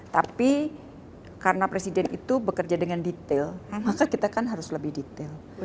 tapi karena presiden itu bekerja dengan detail maka kita kan harus lebih detail